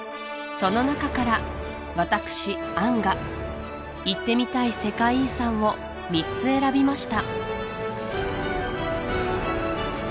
その中から私杏が行ってみたい世界遺産を３つ選びました